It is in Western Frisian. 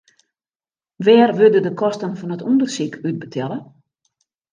Wêr wurde de kosten fan it ûndersyk út betelle?